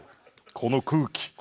この空気。